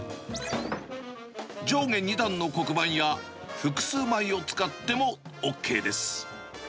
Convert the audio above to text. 上下２段の黒板や、複数枚を使ってもＯＫです。